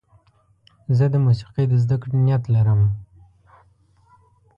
زه د موسیقۍ د زدهکړې نیت لرم.